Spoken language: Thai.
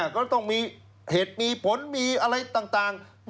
ก็ต้องมีเหตุมีผลมีอะไรต่าง